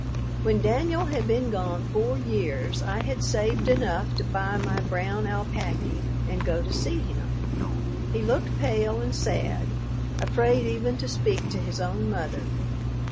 When Danyul had been gone four years I had saved enough to buy my brown alapacky and go to see him. He looked pale and sad, afraid even to speak to his own mother.